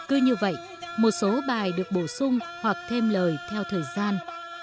cứ như vậy một số bài được bổ sung hoặc thêm lời theo thời gian